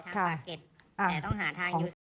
แต่ต้องหาทางยืด